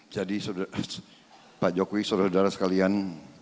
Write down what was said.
jadi pak jokowi saudara saudara sekalian